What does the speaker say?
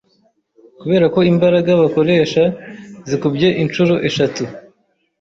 kubera ko imbaraga bakoresha zikubye inshuro eshatu